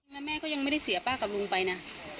แล้วแม่ก็ยังไม่ได้เสียป้ากับลุงไปนะ